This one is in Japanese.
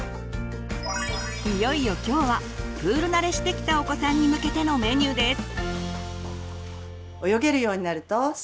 いよいよ今日はプール慣れしてきたお子さんに向けてのメニューです。